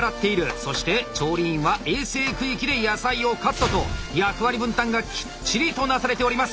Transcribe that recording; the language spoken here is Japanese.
そして調理員は衛生区域で野菜をカットと役割分担がきっちりとなされております。